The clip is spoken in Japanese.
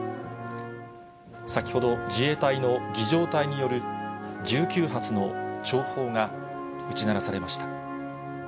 先ほど、自衛隊の儀じょう隊による、１９発の弔砲が撃ち鳴らされました。